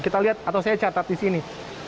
kita lihat atau saya catat di sini